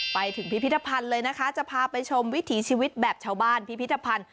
ไปถึงพิพิธภัณฑ์เลยนะคะจะพาไปชมวิถีชีวิตแบบชาวบ้านพิพิธภัณฑ์